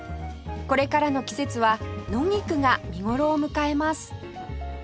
これからの季節は野菊が見頃を迎えます